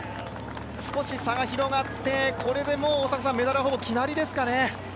少し差が広がって、これでもうメダルはほぼ決まりですかね。